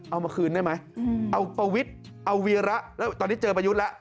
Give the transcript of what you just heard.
เอามาคืนได้ไหมเอาปวิทเอาวีระตอนนี้เจอปายุทแล้ว